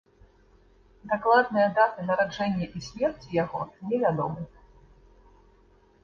Дакладныя даты нараджэння і смерці яго невядомы.